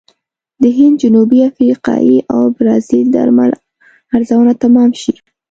د هند، جنوبي افریقې او برازیل درمل ارزانه تمام شي.